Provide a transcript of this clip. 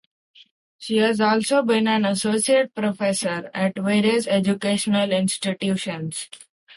She has also been an associate professor at various educational institutions.